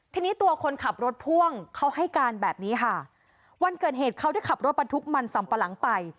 ทีนี้ตัวคนขับรถพ่วงเขาให้การแบบนี้ค่ะวันเกิดเหตุเขาได้ขับรถบรรทุกมันสำปะหลังไป